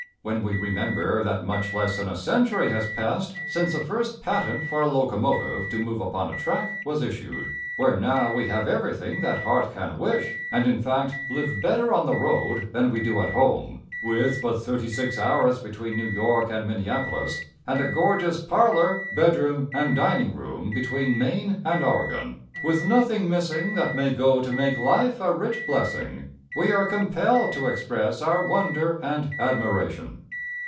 When we remember that much less than a century has passed since the first patent for a locomotive to move upon a track was issued, where now we have everything that heart can wish, and, in fact, live better on the road than we do at home, with but thirty six hours between New York and Minneapolis, and a gorgeous parlor, bedroom, and dining room between Maine and Oregon, with nothing missing that may go to make life a rich blessing, we are compelled to express our wonder and admiration.